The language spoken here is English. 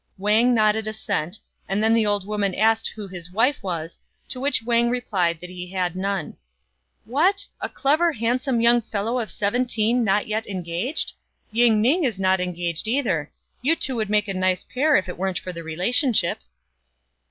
5 Wang nodded assent, and then the old woman asked who his wife was, to which Wang replied that he had none. " What ! a clever, handsome young fellow of seventeen not yet en gaged ? 6 Ying ning is not engaged either : you two would make a nice pair if it wasn't for the relationship."